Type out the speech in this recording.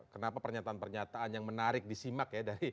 kenapa pernyataan pernyataan yang menarik disimak ya